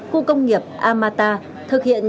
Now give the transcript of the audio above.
khu công nghiệp amata thực hiện